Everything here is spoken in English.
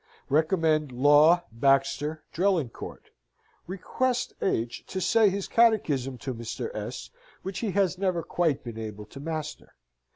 Recommend Law, Baxter, Drelincourt. Request H. to say his catechism to Mr. S., which he has never quite been able to master.